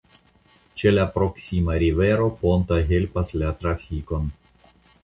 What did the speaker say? Ĉe la proksima rivero ponto helpas la trafikon.